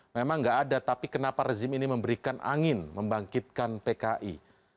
memang nggak ada tapi kenapa rezim ini memberikan angin membangkitkan pki